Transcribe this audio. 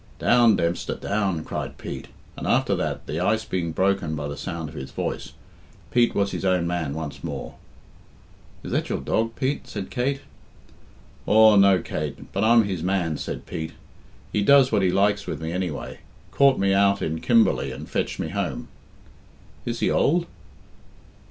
"Down, Dempster, down!" cried Pete; and after that, the ice being broken by the sound of his voice, Pete was his own man once more. "Is that your dog, Pete?" said Kate. "Aw, no, Kate, but I'm his man," said Pete. "He does what he likes with me, anyway. Caught me out in Kimber ley and fetched me home." "Is he old?"